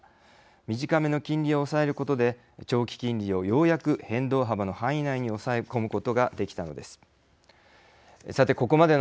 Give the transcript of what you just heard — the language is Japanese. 短めの金利を抑えることで長期金利をようやく変動幅の範囲内に抑え込むことができたのです。